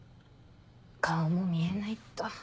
顔も見えないと。